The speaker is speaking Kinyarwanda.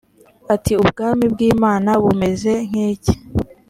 ati ubwami bw imana bumeze nk iki